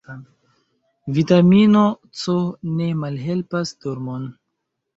Vitamino C ne malhelpas dormon.